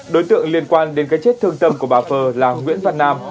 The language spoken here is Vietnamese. đối tượng liên quan đến cái chết thương tâm của bà phờ là nguyễn văn nam